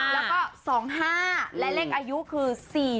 แล้วก็๒๕และเลขอายุคือ๔๔